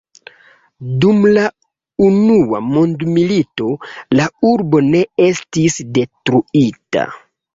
Dum la unua mondmilito la urbo ne estis detruita.